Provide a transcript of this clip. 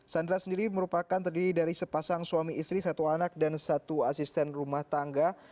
sandra sendiri merupakan terdiri dari sepasang suami istri satu anak dan satu asisten rumah tangga